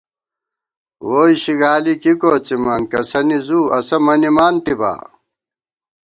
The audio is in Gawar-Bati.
ووئی شِگالی کی کوڅِمان، کسَنی زُو اسہ مَنِمانتِبا